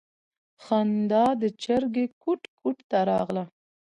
خندا د چرگې کوټ کوټ راغله.